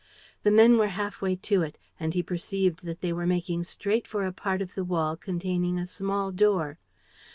The men were half way to it; and he perceived that they were making straight for a part of the wall containing a small door.